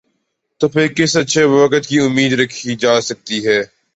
، تو پھر کس اچھے وقت کی امید رکھی جا سکتی ہے ۔